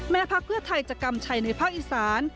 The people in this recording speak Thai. พักเพื่อไทยจะกำชัยในภาคอีสาน